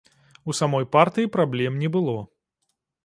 У самой партыі праблем не было.